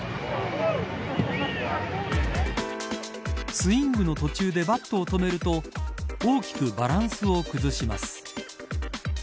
スイングの途中でバットを止めると大きくバランスを崩します。